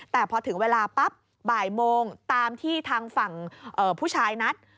แต่พอถึงเวลาปั๊บบ่ายโมงตามที่ทางฝั่งผู้ชายนัด